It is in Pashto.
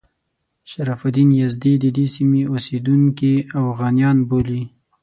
شرف الدین یزدي د دې سیمې اوسیدونکي اوغانیان بولي.